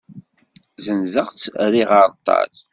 Zzenzeɣ-tt, rriɣ areṭṭal.